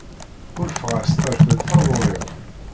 Ḥulfaɣ-as terfed taduli-w.